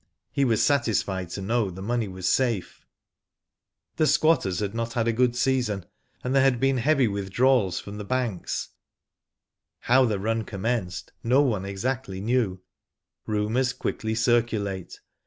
He was satisfied to know the money was safe. The squatters had not had a good season, and Digitized byGoogk 202 WHO DID ITf there had been heavy withdrawals from the banks. How the run commenced, no one exactly knew. Rumours quickly circulate.